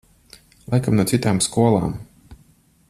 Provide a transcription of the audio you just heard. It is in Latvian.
Laikam no citām skolām.